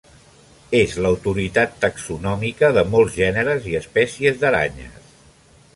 És l'autoritat taxonòmica de molts gèneres i espècies d'aranyes.